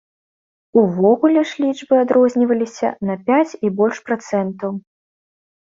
Увогуле ж лічбы адрозніваліся на пяць і больш працэнтаў.